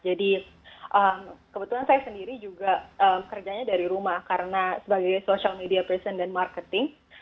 jadi kebetulan saya sendiri juga kerjanya dari rumah karena sebagai social media person dan marketing